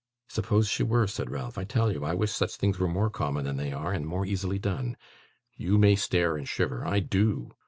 'Suppose she were,' said Ralph. 'I tell you, I wish such things were more common than they are, and more easily done. You may stare and shiver. I do!